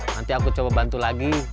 nanti aku coba bantu lagi